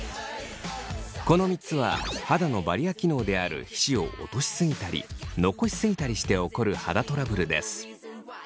この３つは肌のバリア機能である皮脂を落としすぎたり残しすぎたりして起こる肌トラブルです。